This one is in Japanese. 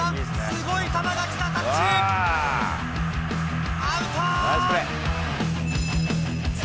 すごい球が来た、タッチアウト！